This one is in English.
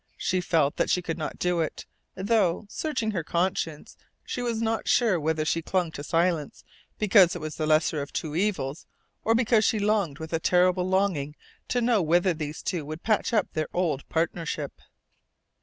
She felt that she could not do it; though, searching her conscience, she was not sure whether she clung to silence because it was the lesser of two evils or because she longed with a terrible longing to know whether these two would patch up their old partnership.